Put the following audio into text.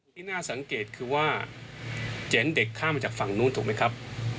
ที่น่าสังเกตคือว่าจะเห็นเด็กข้ามมาจากฝั่งนู้นถูกไหมครับ